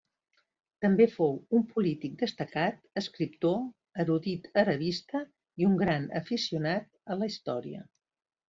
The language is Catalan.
També fou un polític destacat, escriptor, erudit arabista i un gran aficionat a la història.